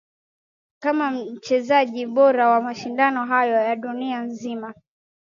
Kama mchezaji bora wa mashindano hayo ya duina nzima